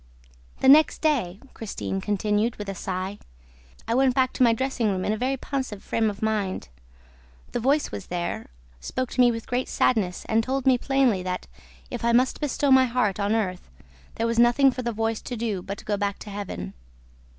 "The next day," Christine continued, with a sigh, "I went back to my dressing room in a very pensive frame of mind. The voice was there, spoke to me with great sadness and told me plainly that, if I must bestow my heart on earth, there was nothing for the voice to do but to go back to Heaven.